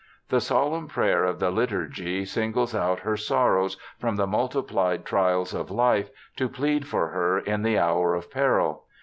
The solemn prayer of the liturgy singles out her sorrows from the multiplied trials of life, to plead for her in the hour of peril.